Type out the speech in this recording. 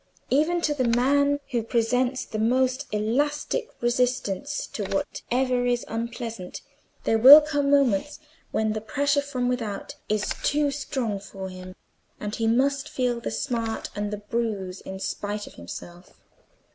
Even to the man who presents the most elastic resistance to whatever is unpleasant, there will come moments when the pressure from without is too strong for him, and he must feel the smart and the bruise in spite of himself.